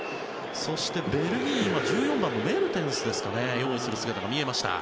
そして、ベルギーは１４番のメルテンスが用意する姿が見えました。